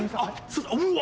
うわ！